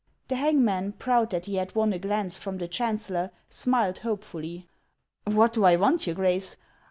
The hangman, proud that he had won^a glance from the chancellor, smiled hopefully. " What do I want, your Grace